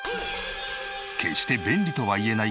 決して便利とはいえない